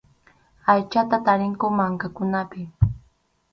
Aychata tarinku mankakunapi.